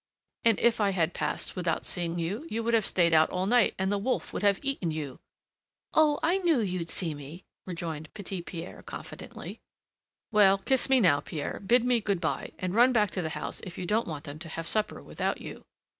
"And if I had passed without seeing you, you would have stayed out all night and the wolf would have eaten you!" "Oh! I knew you'd see me!" rejoined Petit Pierre confidently. "Well, kiss me now, Pierre, bid me good by, and run back to the house if you don't want them to have supper without you."